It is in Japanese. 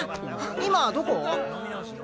今どこ？